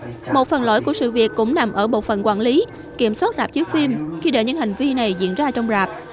bên cạnh đó một phần lỗi của sự việc cũng nằm ở bộ phần quản lý kiểm soát rạp chiếc phim khi để những hành vi này diễn ra trong rạp